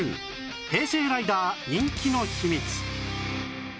平成ライダー人気の秘密